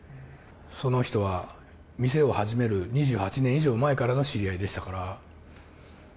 その人は、店を始める２８年以上前からの知り合いでしたから。